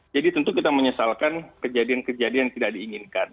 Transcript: jadi tentu kita menyesalkan kejadian kejadian yang tidak diinginkan